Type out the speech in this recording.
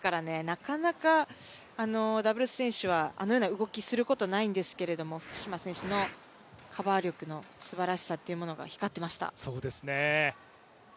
なかなかダブルス選手はあのような動きすることはないんですけども福島選手のカバー力のすばらしさっていうものが光っていました。